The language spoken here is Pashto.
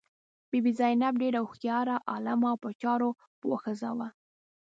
بي بي زینب ډېره هوښیاره، عالمه او په چارو پوه ښځه وه.